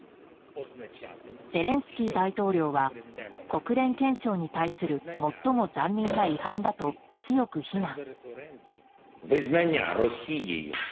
ゼレンスキー大統領は国連憲章に対する最も残忍な違反だと強く非難。